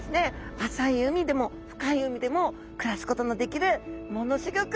浅い海でも深い海でも暮らすことのできるものすギョく